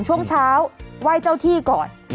ช่วงเช้าไหว้เจ้าที่ก่อน